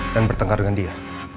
dan bertengkar dengan dia